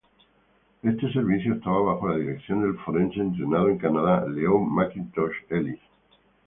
Ese Servicio estaba bajo la dirección del forense entrenado en Canadá Leon MacIntosh Ellis.